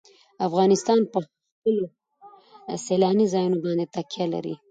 افغانستان په خپلو سیلاني ځایونو باندې تکیه لري.